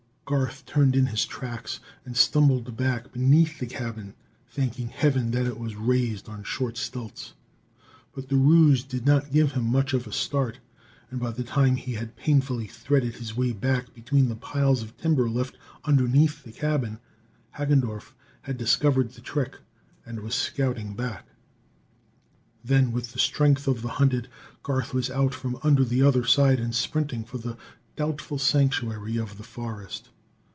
Garth turned in his tracks, and stumbled back beneath the cabin, thanking heaven that it was raised on short stilts. But the ruse did not give him much of a start, and by the time he had painfully threaded his way between the piles of timber left underneath the cabin, Hagendorff had discovered the trick and was scouting back. Then, with the strength of the hunted, Garth was out from under the other side and sprinting for the doubtful sanctuary of the forest.